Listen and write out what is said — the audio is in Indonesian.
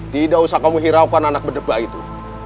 tidak usah kamu hiraukan anak berdebak itu